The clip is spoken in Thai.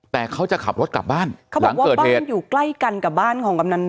แต่เขาจะขับรถกลับบ้านหลังเกิดเหตุเขาบอกว่าบ้านมันอยู่ใกล้กันกับบ้านของกำนันนก